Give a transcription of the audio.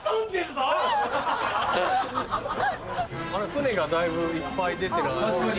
船がだいぶいっぱい出てる。